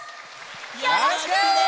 よろしくね！